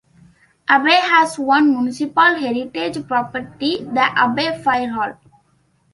Abbey has one municipal heritage property, the Abbey Fire Hall.